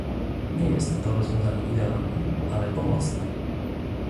Nie jest to rozwiązanie idealne, ale pomocne